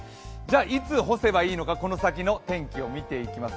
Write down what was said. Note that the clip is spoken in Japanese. いつ干せばいいのかこの先の天気を見てみます。